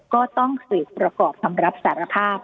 ก็ต้องสืบประกอบคำรับสารภาพ